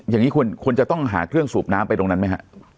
อย่างนี้ควรจะต้องหาเครื่องสูบน้ำไปตรงนั้นไหมฮะ